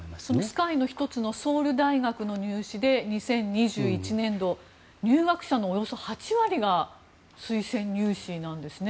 ＳＫＹの１つのソウル大学の入試で２０２１年度入学者のおよそ８割が推薦入試なんですね。